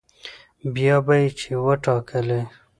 بيا به يې چې وټاکلې